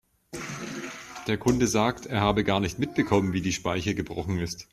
Der Kunde sagt, er habe gar nicht mitbekommen, wie die Speiche gebrochen ist.